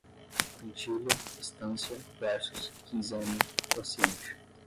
Quintilha, estância, versos, quinzena, quociente